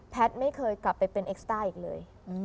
แพทย์ไม่เคยกลับไปเป็นเอ็กซ่าอีกเลย